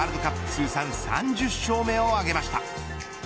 通算３０勝目を挙げました。